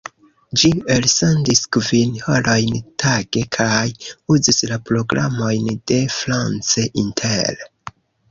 Ĝi elsendis kvin horojn tage kaj uzis la programojn de France Inter.